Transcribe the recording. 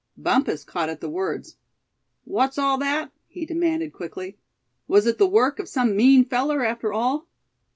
Bumpus caught at the words. "What's all that?" he demanded quickly; "was it the work of some mean feller, after all?